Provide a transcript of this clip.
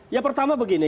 ya pertama begini